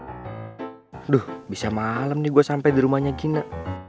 aduh bisa malam nih gue sampai di rumahnya gina